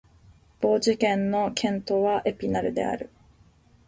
ヴォージュ県の県都はエピナルである